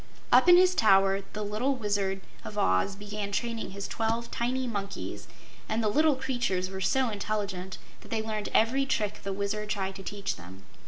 Up in his tower the little Wizard of Oz began training his twelve tiny monkeys, and the little creatures were so intelligent that they learned every trick the Wizard tried to teach them.